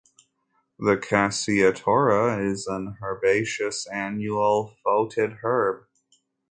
The "Cassia tora" is an herbaceous annual foetid herb.